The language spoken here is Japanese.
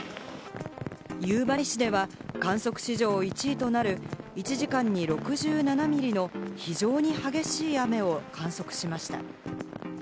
夕張市では観測史上１位となる、１時間に６７ミリの非常に激しい雨を観測しました。